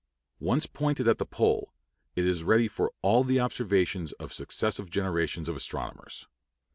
Once pointed at the pole, it is ready for all the observations of successive generations of astronomers.